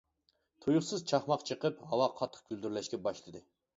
تۇيۇقسىز چاقماق چېقىپ ھاۋا قاتتىق گۈلدۈرلەشكە باشلىدى!